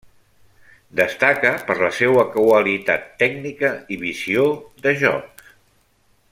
Destaca per la seua qualitat tècnica i visió de joc.